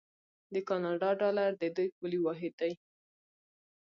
د کاناډا ډالر د دوی پولي واحد دی.